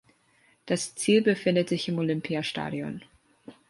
Das Ziel befindet sich im Olympiastadion.